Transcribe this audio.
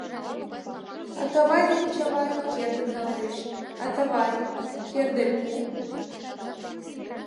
Атавай деч Чавай кердым налеш: «Атавай, кердем пу!»